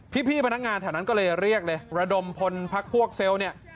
พี่พนักงานแถวนั้นก็เลยเรียกเลยระดมพลพักพวกเซลล์เนี่ย